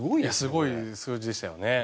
すごい数字でしたよね。